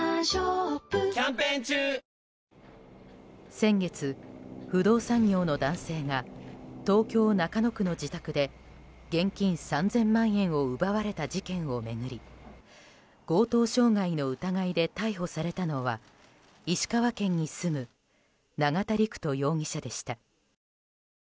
先月、不動産業の男性が東京・中野区の自宅で現金３０００万円を奪われた事件を巡り強盗傷害の疑いで逮捕されたのは石川県に住む永田陸人容疑者でした。